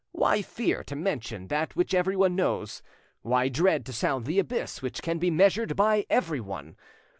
Why fear to mention that which everyone knows? Why dread to sound the abyss which can be measured by everyone?